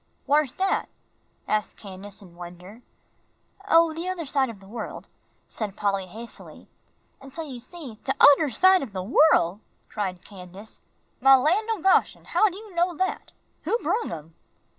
"Whar's dat?" asked Candace, in wonder. "Oh, the other side of the world," said Polly, hastily; "and so you see " "De oder side ob de worl'," cried Candace. "My lan' o' Goshen, how you know dat? Who brung him?"